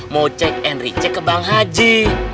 mau cek henry cek ke bang aji